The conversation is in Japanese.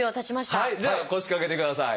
はいじゃあ腰掛けてください。